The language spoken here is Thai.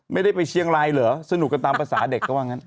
ไม่ได้ไปเชียงรายเหรอสนุกกันตามภาษาเด็กเขาว่างั้น